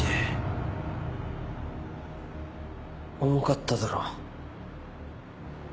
重かっただろ。